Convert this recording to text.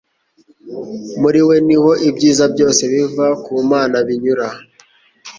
muri we niho ibyiza byose biva ku Mana binyura